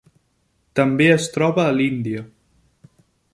També es troba a l'Índia.